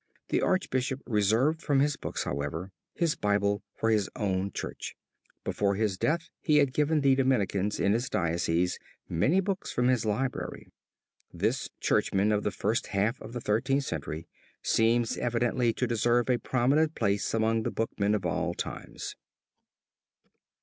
The Archbishop reserved from his books, however, his Bible for his own church. Before his death he had given the Dominicans in his diocese many books from his library. This churchman of the first half of the Thirteenth Century seems evidently to deserve a prominent place among the bookmen of all times.